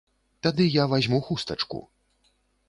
Тады я вазьму хустачку!